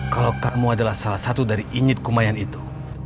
kalau kamu adalah salah satu dari ingin kumayan itu